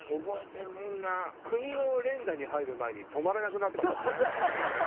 国の連打に入る前に止まらなくなったもんね。